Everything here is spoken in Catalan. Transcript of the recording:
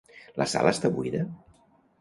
La sala està buida?